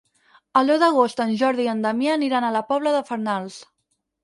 El deu d'agost en Jordi i en Damià aniran a la Pobla de Farnals.